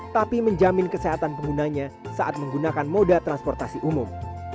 tapi menjamin kesehatan penggunanya saat menggunakan moda transportasi umum